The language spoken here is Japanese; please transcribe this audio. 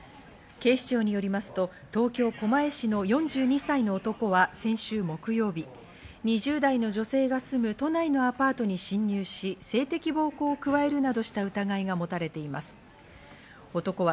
警視庁によりますと、東京・狛江市の４２歳の男は先週木曜日、２０代の女性が住む都内のアパートに侵入し、性的暴行を加えるなどした疑いがもたれています。